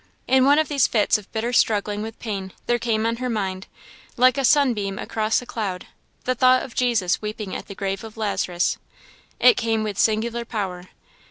In one of these fits of bitter struggling with pain, there came on her mind, like a sunbeam across a cloud, the thought of Jesus weeping at the grave of Lazarus. It came with singular power.